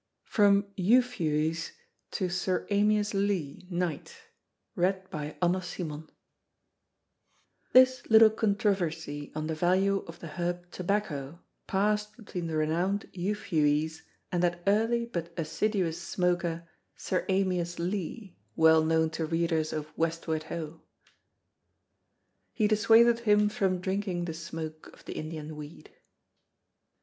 From Euphues to Sir Amyas Leigh, Kt. This little controversy on the value of the herb tobacco passed between the renowned Euphues and that early but assiduous smoker, Sir Amyas Leigh, well known to readers of "Westward Ho." (He dissuadeth him from drinking the smoke of the Indian weed.)